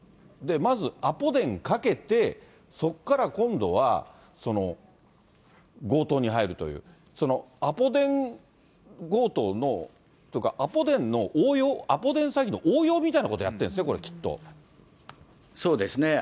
まずアポ電かけて、そこから今度は強盗に入るという、そのアポ電強盗の、アポ電の応用、アポ電詐欺の応用みたいなことをやってるんですね、これ、そうですね。